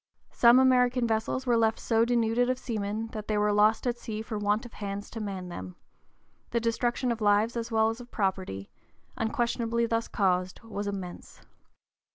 Some American vessels were left so denuded of seamen that they were lost at sea for want of hands to man them; the destruction of lives as well as property, unquestionably thus caused, was immense.